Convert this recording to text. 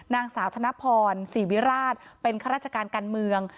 นางสาวธนพรศรีวิราชเป็นข้าราชการการเมือง